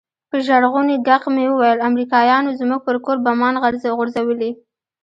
په ژړغوني ږغ مې وويل امريکايانو زموږ پر کور بمان غورځولي.